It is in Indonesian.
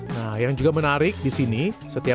nah juga menarikando